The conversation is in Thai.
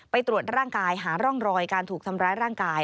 ตรวจร่างกายหาร่องรอยการถูกทำร้ายร่างกาย